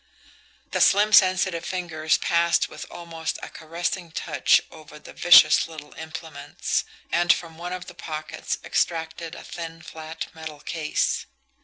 The slim, sensitive fingers passed with almost a caressing touch over the vicious little implements, and from one of the pockets extracted a thin, flat metal case.